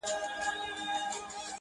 • ځوان خپل څادر پر سر کړ.